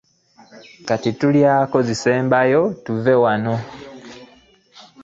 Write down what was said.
Kati tulyako zisembayo tuve wano.